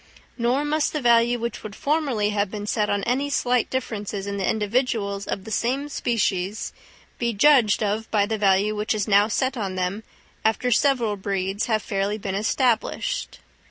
Nor must the value which would formerly have been set on any slight differences in the individuals of the same species, be judged of by the value which is now set on them, after several breeds have fairly been established.